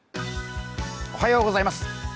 おはようございます。